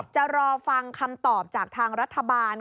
จะรอฟังคำตอบจากทางรัฐบาล